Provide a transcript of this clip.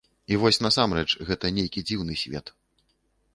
І вось насамрэч, гэта нейкі дзіўны свет.